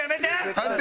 判定。